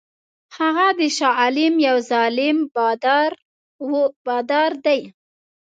هغه د شاه عالم یو ظالم بادار دی.